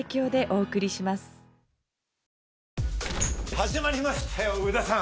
始まりましたよ上田さん！